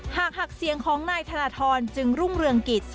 หากหักเสียงของนายธนทรจึงรุ่งเรืองกิจ